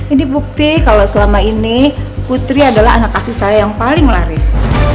ini bukti kalau selama ini putri adalah anak kasih saya yang paling laris